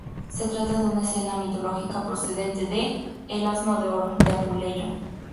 Se trata de una escena mitológica, procedente de "El asno de oro" de Apuleyo.